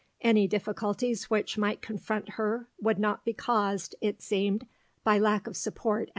Any difficulties which might confront her would not be caused, it seemed, by lack of support at home.